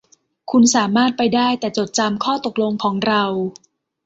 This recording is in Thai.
คุณสามารถไปได้ แต่จดจำข้อตกลงของเรา